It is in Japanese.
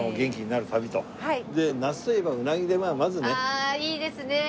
ああいいですねえ。